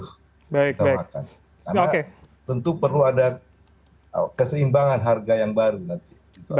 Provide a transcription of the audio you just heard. karena tentu perlu ada keseimbangan harga yang baru nanti